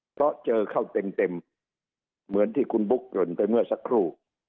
เพราะเจอเข้าเต็มเหมือนที่คุณบุ๊คเกริ่นไปเมื่อสักครู่